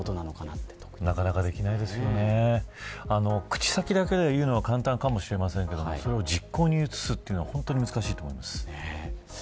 口先だけで言うのは簡単かもしれませんがそれを実行に移すのは本当に難しいと思います。